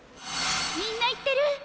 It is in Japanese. みんな言ってる。